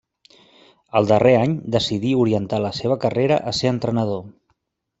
El darrer any decidí orientar la seva carrera a ser entrenador.